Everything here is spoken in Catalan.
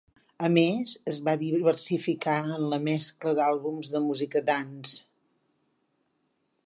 A més, es va diversificar en la mescla d'àlbums de música dance.